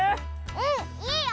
うんいいよ！